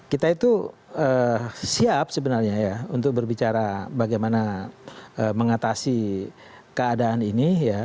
kita itu siap sebenarnya ya untuk berbicara bagaimana mengatasi keadaan ini